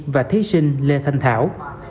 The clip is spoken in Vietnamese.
và thí sinh lê thanh thảo